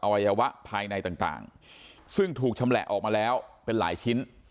วัยวะภายในต่างซึ่งถูกชำแหละออกมาแล้วเป็นหลายชิ้น